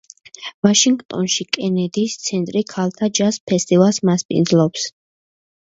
ვაშინგტონში კენედის ცენტრი ქალთა ჯაზ ფესტივალს მასპინძლობს.